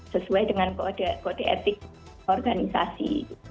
sesuai dengan kode etik organisasi